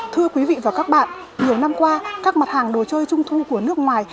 thưa quý vị và các bạn nhiều năm qua các mặt hàng đồ chơi trung thu của nước ngoài